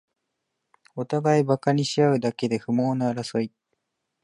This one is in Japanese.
おたがいバカにしあうだけで不毛な争い